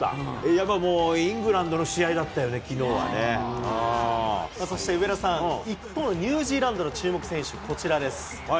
やっぱりもう、イングランドの試そして、上田さん、一方のニュージーランドの注目選手、こちらです。